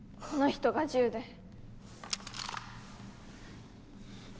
この人が銃で。